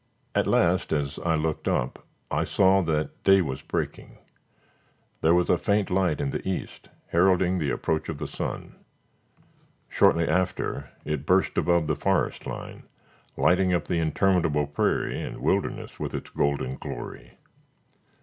At last, as I looked up, I saw that day was breaking. There was a faint light in the east, heralding the approach of the sun. Shortly after, it burst above the forest line, lighting up the interminable prairie and wilderness with its golden glory.